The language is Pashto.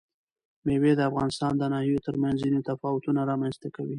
مېوې د افغانستان د ناحیو ترمنځ ځینې تفاوتونه رامنځ ته کوي.